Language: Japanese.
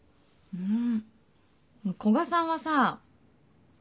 うん。